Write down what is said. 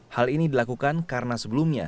hal ini dilakukan karena sebelumnya